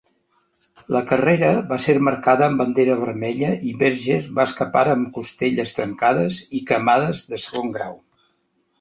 La carrera va ser marcada amb bandera vermella i Berger va escapar amb costelles trencades i cremades de segon grau.